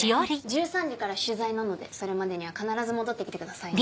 １３時から取材なのでそれまでには必ず戻ってきてくださいね。